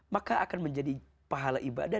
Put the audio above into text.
maka akan menjadi pahala ibadah